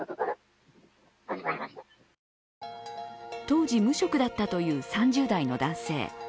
当時無職だったという３０代の男性。